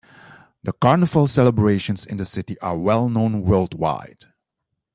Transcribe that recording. The carnival celebrations in the city are well-known worldwide.